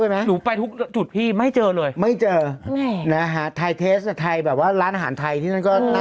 เข้าล่ะไปก่อนไงแล้วต้องมุมแหลดร้านตรงไอติม